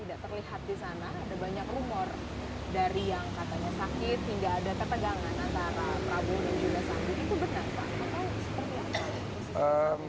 iya kita lihat juga